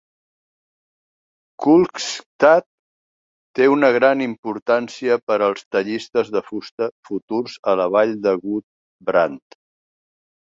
Klukstad té una gran importància per als tallistes de fusta futurs a la vall de Gudbrand.